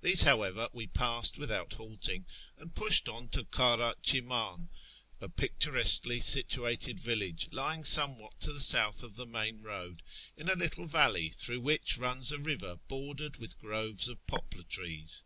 These, how ever, we passed without halting, and pushed on to ly'ira Chiman, a picturesquely situated village, lying somewhat to the south of the main road in a little valley through which runs a river bordered with groves of poplar trees.